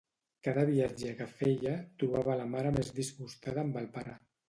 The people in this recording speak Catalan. Cada viatge que feia trobava la mare més disgustada amb el pare.